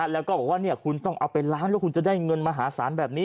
แล้วก็บอกว่าคุณต้องเอาไปล้านแล้วคุณจะได้เงินมหาศาลแบบนี้